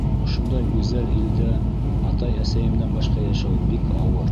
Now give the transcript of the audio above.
Ошондай гүзәл илдә атай-әсәйемдән башҡа йәшәү бик ауыр.